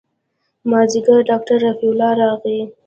مازديګر ډاکتر رفيع الله راغى.